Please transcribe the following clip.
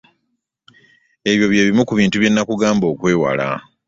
Ebyo bye bimu ku bintu bye nnakugamba okwewala.